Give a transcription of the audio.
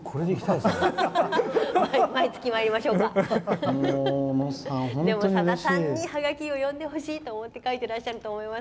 でも、さださんにはがきを読んでほしいと思って書いてらっしゃると思います。